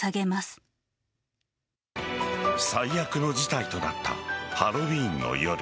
最悪の事態となったハロウィーンの夜。